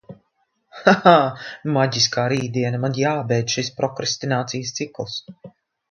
Ha ha maģiskā rītdiena, man jābeidz šis prokrastinācijas cikls.